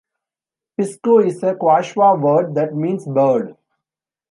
Pisco is a Quechua word that means bird.